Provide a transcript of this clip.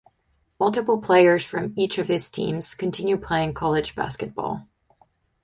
Multiple players from each of his teams continue playing college basketball.